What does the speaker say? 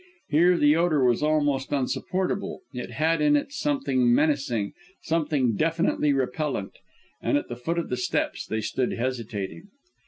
Here the odour was almost insupportable; it had in it something menacing, something definitely repellent; and at the foot of the steps they stood hesitating.